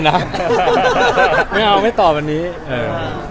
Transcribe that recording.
ก็นานเหมือนกันเอาแค่นี้ได้มั้ย